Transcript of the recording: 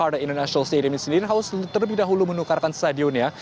ada international stadium sendiri harus terlebih dahulu menukarkan stadionnya